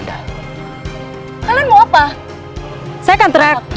saya akan terang